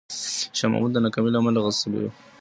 شاه محمود د ناکامۍ له امله عصبي شو.